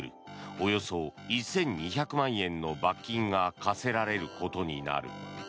およそ１２００万円の罰金が科せられることになる。